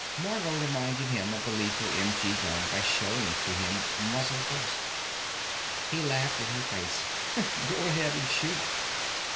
Margot reminded him of the lethal m.g. gun by showing it to him, muzzle first. He laughed in her face. "Go ahead and shoot."